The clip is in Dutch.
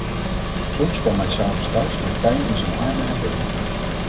Soms kwam hij 's avonds thuis met pijn in zijn armen en benen.